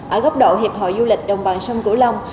ở góc độ hiệp hội du lịch đồng bằng sông cửu long